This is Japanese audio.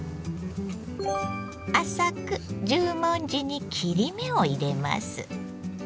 浅く十文字に切り目を入れます。